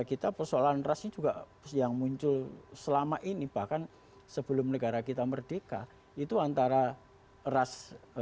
indonesia juga yang muncul selama ini bahkan sebelum negara kita merdeka itu antara ras